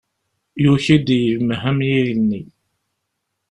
Yuki-d yemhem yigenni.